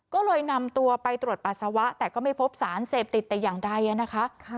ก็เลยนำตัวไปตรวจปัสสาวะแต่ก็ไม่พบสารเสพติดแต่อย่างใดนะคะ